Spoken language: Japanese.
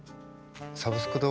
「サブスク堂」